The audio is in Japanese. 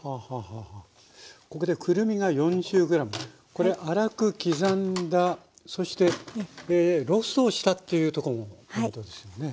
これ粗く刻んだそしてローストをしたっていうとこもポイントですよね。